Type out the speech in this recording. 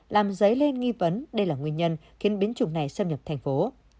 làm dấy lên nghi vấn đây là nguyên nhân khiến biến chủng này xâm nhập thành phố